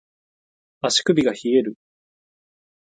足首が冷える